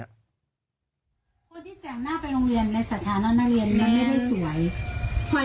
คนที่แต่งหน้าไปโรงเรียนในสถานะนักเรียนมันไม่ได้สวย